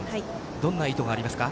どんな意図がありますか。